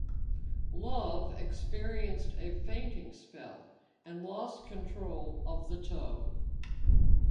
Love, experienced a fainting spell and lost control of the tow.